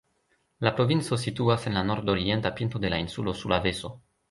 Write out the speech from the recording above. La provinco situas en la nordorienta pinto de la insulo Sulaveso.